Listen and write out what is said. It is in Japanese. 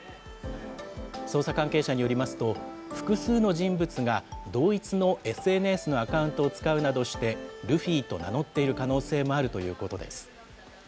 捜査関係者によりますと、複数の人物が、同一のＳＮＳのアカウントを使うなどして、ルフィと名乗っている可能性もあるということです。